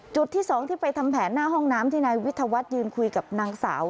จุดที่๒ที่ไปทำแผนหน้าห้องน้ำที่นายวิทยาวัฒน์ยืนคุยกับนางสาว